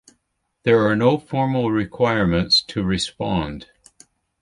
There are no formal requirements to respond.